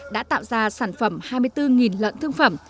đã tạo ra sản phẩm hai mươi bốn lợn thương phẩm